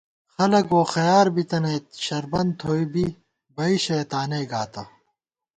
خلَک ووخَیار بِتَنَئیت شربن تھوئی بی، بئ شَیَہ تانَئ گاتہ